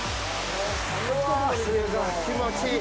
気持ちいい！